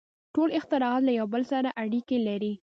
• ټول اختراعات له یو بل سره اړیکې لري.